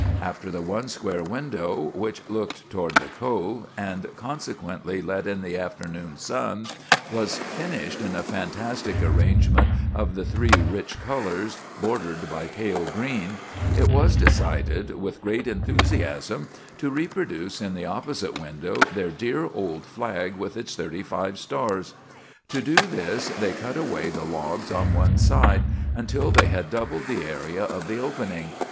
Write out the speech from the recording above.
After the one square window, which looked toward the Cove and consequently let in the afternoon sun, was finished in a fantastic arrangement of the three rich colors, bordered by pale green, it was decided, with great enthusiasm, to reproduce in the opposite window their dear old flag with its thirty five stars. To do this, they cut away the logs on one side until they had doubled the area of the opening.